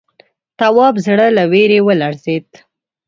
تواب زړه له وېرې ولړزېد.